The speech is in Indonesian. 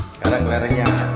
sekarang ke lerengnya